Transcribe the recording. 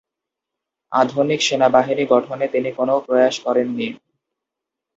আধুনিক সেনাবাহিনী গঠনে তিনি কোনও প্রয়াস করেননি।